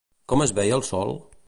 Com es veia el sol?